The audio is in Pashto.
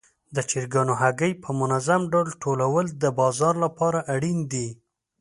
د چرګانو هګۍ په منظم ډول ټولول د بازار لپاره اړین دي.